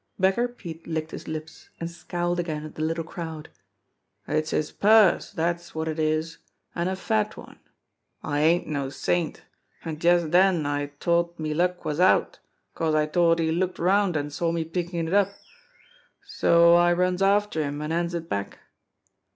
Beggar Pete licked his lips, and scowled again at the little crowd. "It's his purse, dat's wot it is, an' a fat one. I ain't no saint, an' jest den I t'ought me luck was out, 'cause I t'ought he looked 'round an' saw me pickin' it up, so I runs after him an' hands it back.